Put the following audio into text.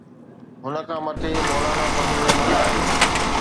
هن کان مٿي مولانا فضل الرحمان آهي.